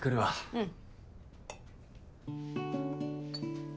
うん。